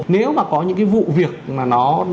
nếu mà có những cái vụ việc mà nó